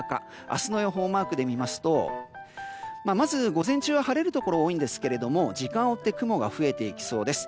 明日の予報をマークで見ますと午前中は晴れるところが多いんですけども時間を追って雲が増えていきそうです。